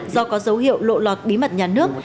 do có dấu hiệu lộ lọt bí mật nhà nước